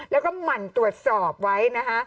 แล้วก็หมั่นตรวจสอบไว้นะคะ